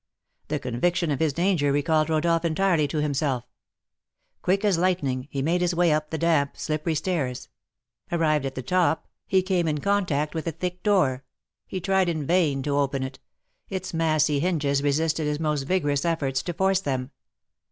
The conviction of his danger recalled Rodolph entirely to himself. Quick as lightning he made his way up the damp, slippery stairs; arrived at the top, he came in contact with a thick door; he tried in vain to open it, its massy hinges resisted his most vigorous efforts to force them.